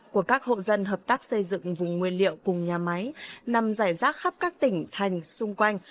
của các hộ dân hợp tác xây dựng vùng nguyên liệu cùng nhà máy nằm rải rác khắp các tỉnh thành xung quanh